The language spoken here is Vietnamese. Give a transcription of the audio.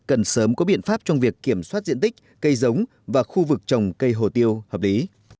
cần sớm có biện pháp trong việc kiểm soát diện tích cây giống và khu vực trồng cây hồ tiêu hợp lý